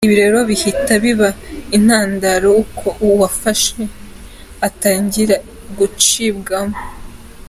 Ibi rero bihita biba intandaro y’uko uwafashwe atangira gucibwamo.